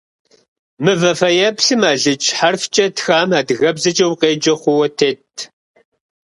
Мывэ фэеплъым алыдж хьэрфкӏэ тхам адыгэбзэкӏэ укъеджэ хъууэ тетт.